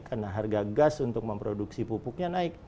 karena harga gas untuk memproduksi pupuknya naik